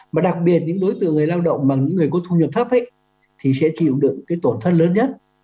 mà đặc biệt những đối tượng người lao động bằng những người có thu nhập thấp thì sẽ chịu đựng cái tổn thất lớn nhất